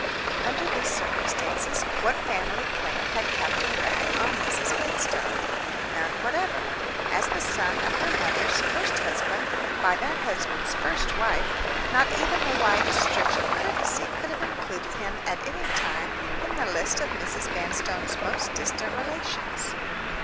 Under these circumstances, what family claim had Captain Wragge on Mrs. Vanstone? None whatever. As the son of her mother's first husband, by that husband's first wife, not even the widest stretch of courtesy could have included him at any time in the list of Mrs. Vanstone's most distant relations.